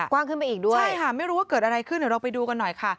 ใช่ค่ะไม่รู้ว่าเกิดอะไรขึ้นเดี๋ยวเราไปดูกันหน่อยค่ะ